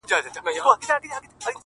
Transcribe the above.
• په سپورږمۍ كي زمــــــــــا زړه دى.